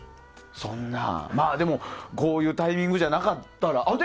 でも、こういうタイミングじゃなかったら。